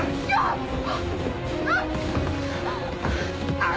あっ！